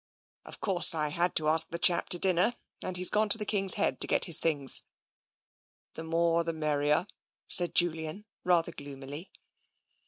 Of course, I had to ask the chap to dinner, and he's gone to the ' King's Head ' to get his things." "The more the merrier," said Julian rather gloomily.